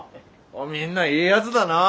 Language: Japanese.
みんないいやづだなぁ。